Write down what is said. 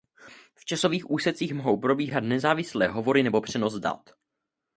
V časových úsecích mohou probíhat nezávislé hovory nebo přenos dat.